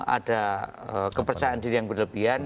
ada kepercayaan diri yang berlebihan